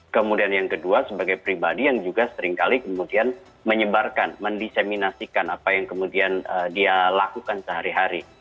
kemudian yang kedua sebagai pribadi yang juga seringkali kemudian menyebarkan mendiseminasikan apa yang kemudian dia lakukan sehari hari